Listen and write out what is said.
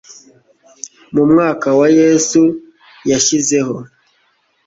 Mu mwaka wa Yesu yashyizeho